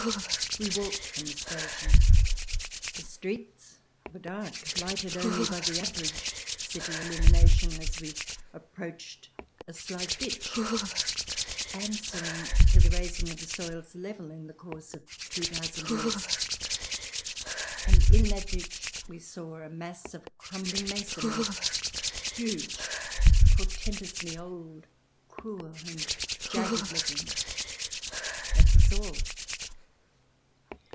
We walked from the station. The streets were dark, lighted only by the average city illumination, as we approached a slight ditch, answering to the raising of the soil's level in the course of two thousand years, and in that ditch we saw a mass of crumbling masonry, huge, portentously old, cruel and jagged looking. That was all.